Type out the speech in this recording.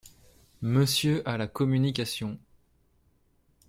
Monsieur a la communication.